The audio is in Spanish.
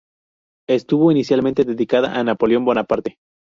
Estuvo inicialmente dedicada a Napoleón Bonaparte.